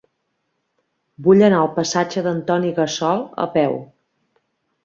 Vull anar al passatge d'Antoni Gassol a peu.